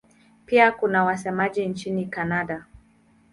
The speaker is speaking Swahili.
Pia kuna wasemaji nchini Kanada.